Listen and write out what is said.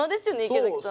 池崎さん。